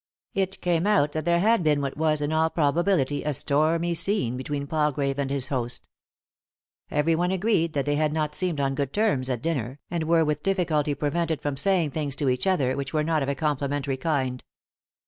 It came out that there had been what was, in all probability, a stormy scene between Palgrave and his host. Everyone agreed that they had not seemed on good terms at dinner, and were with difficulty prevented from saying things to each other which were not of a complimentary kind.